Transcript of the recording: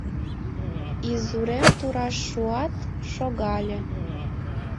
Изурем тураш шуат, шогале.